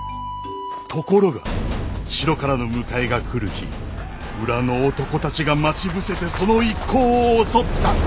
ところが城からの迎えが来る日村の男たちが待ち伏せてその一行を襲った。